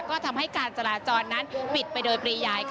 ก็ทำให้การจราจรนั้นปิดไปโดยปริยาย